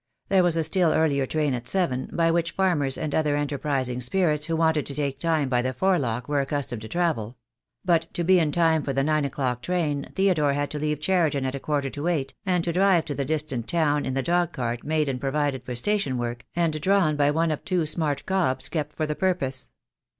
There was a still earlier train at seven, by which farmers and other enterprising spirits who wanted to take time by the forelock were accustomed to travel; but to be in time for the nine o'clock train Theodore had to leave Cheriton at a quarter to eight, and to drive to the distant town in the dog cart made and provided for station work, and drawn by one of two smart cobs kept for the purpose.